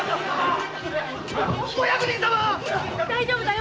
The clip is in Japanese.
大丈夫だよ。